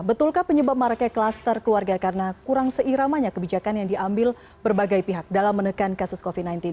betulkah penyebab maraknya klaster keluarga karena kurang seiramanya kebijakan yang diambil berbagai pihak dalam menekan kasus covid sembilan belas